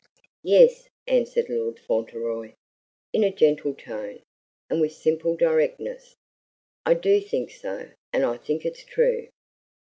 "Yes," answered Lord Fauntleroy, in a gentle tone, and with simple directness; "I do think so, and I think it's true.